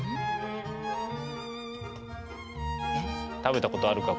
食べたことあるか？